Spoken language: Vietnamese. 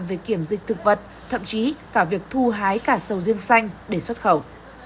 về kiểm dịch thực vật thậm chí cả việc thu hái cả sầu riêng xanh để xuất khẩu